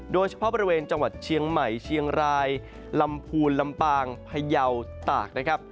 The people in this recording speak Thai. โดยเฉพาะบริเวณจังหวัดเชียงใหม่เชียงรายลำพูนลำปางพยาวตากนะครับ